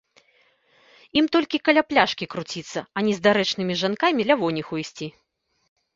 Ім толькі каля пляшкі круціцца, а не з дарэчнымі жанкамі лявоніху ісці.